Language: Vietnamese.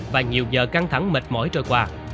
và nhiều giờ căng thẳng mệt mỏi trôi qua